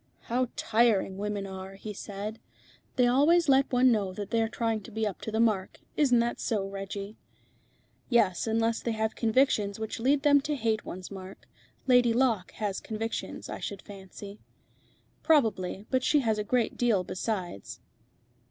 "How tiring women are," he said. "They always let one know that they are trying to be up to the mark. Isn't it so, Reggie?" "Yes, unless they have convictions which lead them to hate one's mark. Lady Locke has convictions, I should fancy." "Probably. But she has a great deal besides."